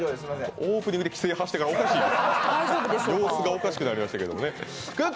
オープニングで奇声発してからおかしい、様子がおかしくなりましたけどね。